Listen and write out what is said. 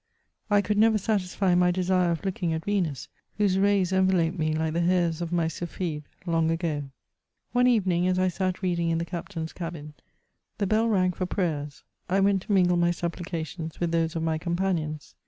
I could never satisfy my desire of looking at Venus, whose rays enveloped me like thehiurs of my sylphide long ago. One evening as I sat reading in the captain*s cabin, the bell rang for prayers ; I went to mingle my supplications with those of my companions.